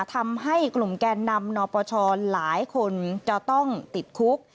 ทำให้กลุ่มแกนนำนปชหลายคนจะต้องติดคุก